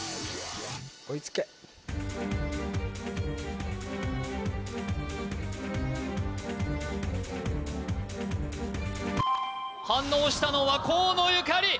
追いつけ反応したのは河野ゆかり